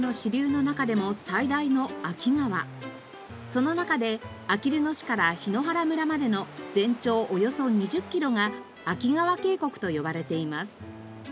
その中であきる野市から檜原村までの全長およそ２０キロが秋川渓谷と呼ばれています。